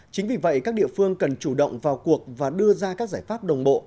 chính vì vậy các địa phương cần chủ động vào cuộc và đưa ra các giải pháp đồng bộ